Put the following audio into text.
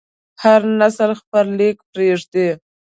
هر نسل خپل لیک پرېږدي.